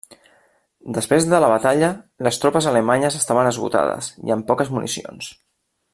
Després de la batalla, les tropes alemanyes estaven esgotades i amb poques municions.